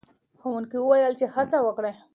ښوونکی وویل چې هڅه وکړئ.